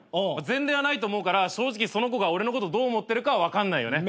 前例はないと思うから正直その子が俺のことどう思ってるかは分かんないよね。